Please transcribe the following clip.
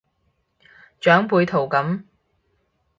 長輩圖噉